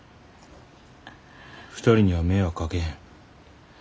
２人には迷惑かけへん。